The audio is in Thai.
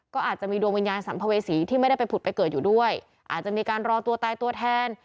ก็อาจจะมีดวงวิญญาณสัมภเวษีที่ไม่ได้ไปผุดไปเกิดอยู่ด้วยอาจจะมีการรอตัวตายตัวแทน